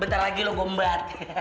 bentar lagi lo gembat